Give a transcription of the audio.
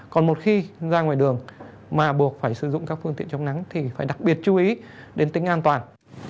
còn một khi ra ngoài đường mà buộc phải sử dụng các phương tiện chống nắng thì phải đặc biệt chú ý đến tính an toàn